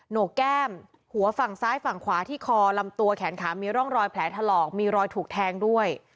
โหนกแก้มหัวฝั่งซ้ายฝั่งขวาที่คอลำตัวแขนขามีร่องรอยแผลถลอกมีรอยถูกแทงด้วย